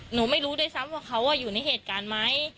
หนูไม่รู้ด้วยซ้ำว่าเขาอยู่ในเหตุการณ์ไหม